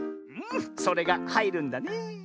それがはいるんだねえ。